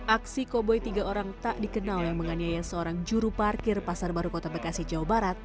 aksi koboi tiga orang tak dikenal yang menganiaya seorang juru parkir pasar baru kota bekasi jawa barat